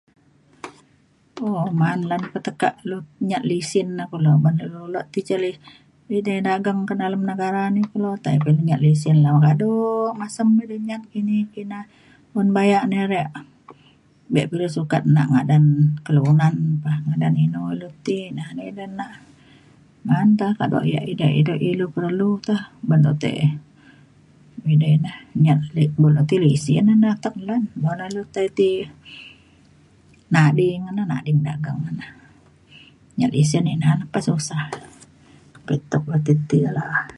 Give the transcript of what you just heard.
um Ma'an lan pa teka ilu nyat lisin na kulo ban ilu ro ti ca ida dageng kedalem negara ni kulo tai pa nyat lisin la kado masem ire nyat kini kina. Un baya na rek be pa ilu sukat na ngadan kelunan pah ngadan inu ilu ti na ida na. Ma'an pa kado ia' ida ilu perlu kah ban [unintelligible] ida ina nyat ti lisin na atek lan. Mo na lu tai ti nading nading dageng na. Nyat lisin ina na pa susah. Pelituk ti tiga la'a